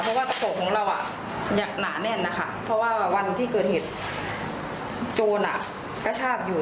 เพราะว่าตะโกะของเราหนาแน่นนะคะเพราะว่าวันที่เกิดเหตุโจรกระชากอยู่